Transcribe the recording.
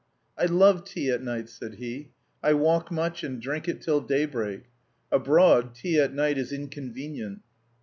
"I love tea at night," said he. "I walk much and drink it till daybreak. Abroad tea at night is inconvenient."